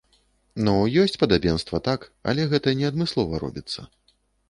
Ну ёсць падабенства, так, але гэта не адмыслова робіцца.